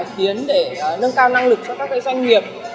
khiến để nâng cao năng lực cho các doanh nghiệp